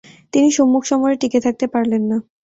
তিনি সম্মুখসমরে টিকে থাকতে পারলেন না।